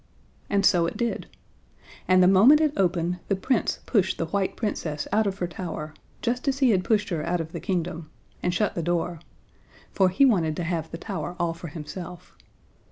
And so it did. And the moment it opened, the Prince pushed the white Princess out of her tower, just as he had pushed her out of her kingdom, and shut the door. For he wanted to have the tower all for himself.